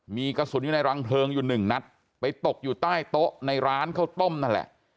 มีกระสุนอยู่ในรังเพลิงอยู่หนึ่งนัดไปตกอยู่ใต้โต๊ะในร้านข้าวต้มนั่นแหละ